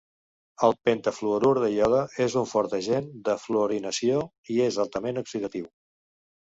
El pentafluorur de iode és un fort agent de fluorinació i és altament oxidatiu.